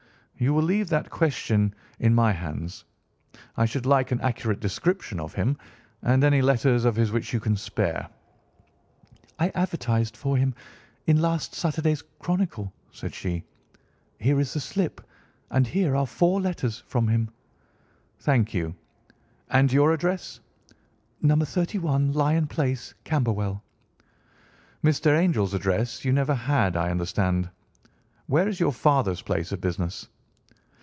"You will leave that question in my hands. I should like an accurate description of him and any letters of his which you can spare." "I advertised for him in last Saturday's Chronicle," said she. "Here is the slip and here are four letters from him." "Thank you. And your address?" "No. 31 Lyon Place, Camberwell." "Mr. Angel's address you never had, I understand. Where is your father's place of business?"